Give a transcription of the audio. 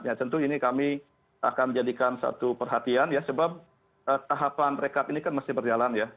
ya tentu ini kami akan jadikan satu perhatian ya sebab tahapan rekap ini kan masih berjalan ya